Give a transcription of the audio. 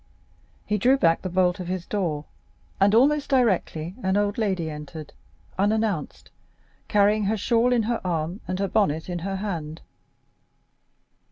He drew back the bolt of his door, and almost directly an old lady entered, unannounced, carrying her shawl on her arm, and her bonnet in her hand.